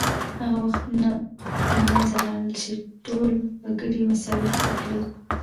هغه وختونه له منځه لاړل چې ټول وګړي مساوي حقوق لري